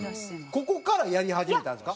ここからやり始めたんですか？